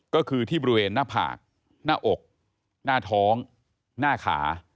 ก็คือที่บริเวณหน้าผากหน้าอกหน้าท้องหน้าขา